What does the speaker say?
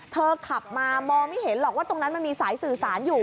ขับมามองไม่เห็นหรอกว่าตรงนั้นมันมีสายสื่อสารอยู่